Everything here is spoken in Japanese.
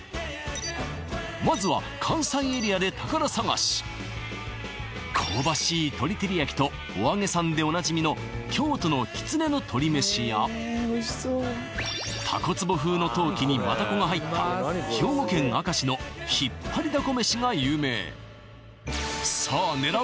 まずは関西エリアで宝探し香ばしい鶏照り焼きとおあげさんでおなじみの京都のきつねの鶏めしや蛸壷風の陶器にマダコが入った兵庫県明石のひっぱりだこ飯が有名さあ狙う